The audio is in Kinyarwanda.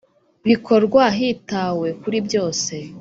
bikorwa hitawe kuri byose